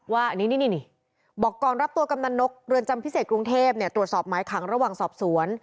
ว่าอันนี้นี่บอกก่อนรับตัวกำนันนกเรือนจำพิเศษกรุงเทพตรวจสอบหมายขังระหว่างสอบสวน